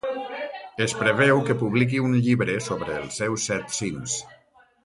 Es preveu que publiqui un llibre sobre els seus set cims.